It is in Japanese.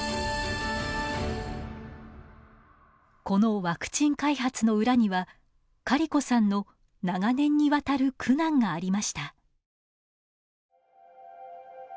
このワクチン開発の裏にはカリコさんの長年にわたる苦難がありました。